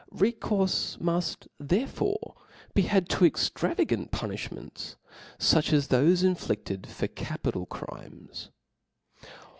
Recourfe muft therefore be had to extravagant.pu nifhments, fuch as thofe inflided for capital crimes.